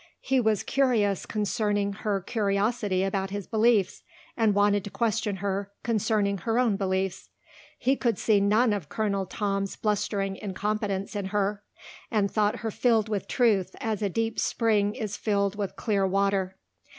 He was curious concerning her curiosity about his beliefs, and wanted to question her concerning her own beliefs. He could see none of Colonel Tom's blustering incompetence in her and thought her filled with truth as a deep spring is filled with clear water.